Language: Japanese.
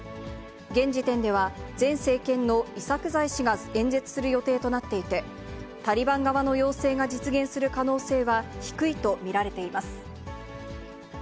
現時点では、前政権のイサクザイ氏が演説する予定となっていて、タリバン側の要請が実現する可能性は低いと見られています。